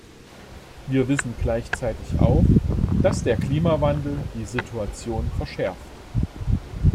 Wir wissen gleichzeitig auch, dass der Klimawandel die Situation verschärft.